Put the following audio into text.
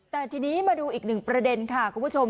แต่ทีนี้มาดูอีกหนึ่งประเด็นค่ะคุณผู้ชม